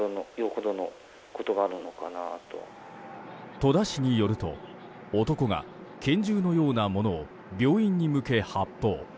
戸田市によると男が拳銃のようなものを病院に向け発砲。